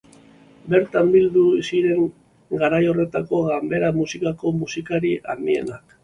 Bertan bildu ziren garai horretako ganbera-musikako musikari handienak.